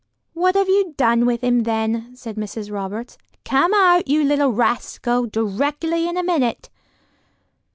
"What have you done with him then?" said Mrs. Roberts. "Come out, you little rascal, directly in a minute."